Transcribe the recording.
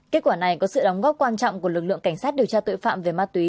kết quả này có sự đóng góp quan trọng của lực lượng cảnh sát điều tra tội phạm về ma túy